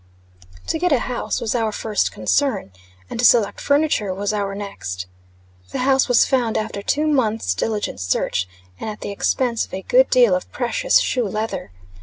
To get a house was our first concern, and to select furniture was our next. The house was found after two months' diligent search, and at the expense of a good deal of precious shoe leather.